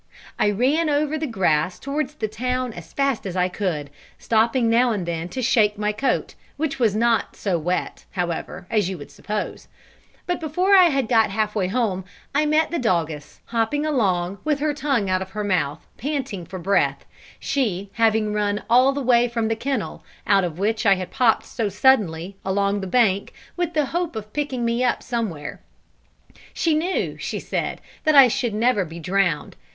I ran over the grass towards the town as fast as I could, stopping now and then to shake my coat, which was not so wet, however, as you would suppose; but before I had got half way home I met the doggess, hopping along, with her tongue out of her mouth, panting for breath, she having run all the way from the kennel, out of which I had popped so suddenly, along the bank, with the hope of picking me up somewhere. She knew, she said, that I should never be drowned.